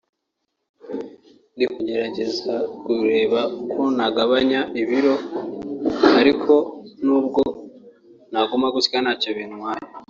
ndi kugerageza kureba uko nagabanya ibiro ariko nubwo naguma gutya ntacyo bintwaye